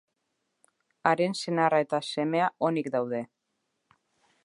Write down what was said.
Haren senarra eta semea onik daude.